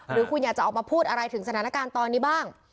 หรือคุณอยากจะออกมาพูดอะไรถึงสถานการณ์ตอนนี้บ้าง